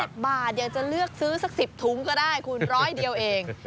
บาทอยากจะเลือกซื้อสัก๑๐ถุงก็ได้คุณร้อยเดียวเอง